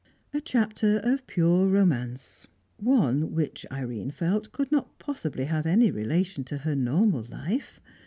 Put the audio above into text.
A chapter of pure romance; one which, Irene felt, could not possibly have any relation to her normal life.